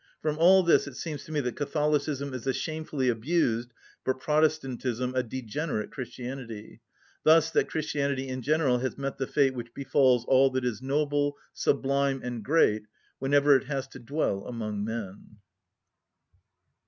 From all this it seems to me that Catholicism is a shamefully abused, but Protestantism a degenerate Christianity; thus, that Christianity in general has met the fate which befalls all that is noble, sublime, and great whenever it has to dwell among men.